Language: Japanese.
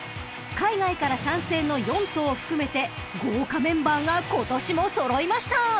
［海外から参戦の４頭を含めて豪華メンバーが今年も揃いました］